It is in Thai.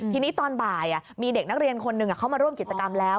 ทีนี้ตอนบ่ายมีเด็กนักเรียนคนหนึ่งเข้ามาร่วมกิจกรรมแล้ว